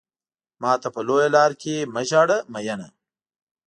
ماته په لويه لار کې مه ژاړه مينه.